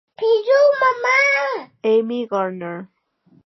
Amy Gardner.